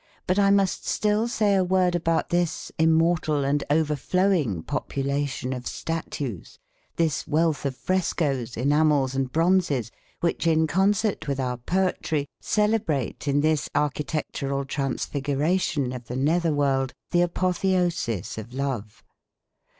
But I must still say a word about this immortal and overflowing population of statues, this wealth of frescoes, enamels, and bronzes which in concert with our poetry celebrate in this architectural transfiguration of the nether world the apotheosis of love.